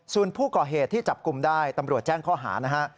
ส่วนผู้ก่อเหตุที่จับกลุ่มได้ตำรวจแจ้งข้อหานะฮะ